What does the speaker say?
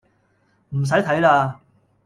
唔使睇喇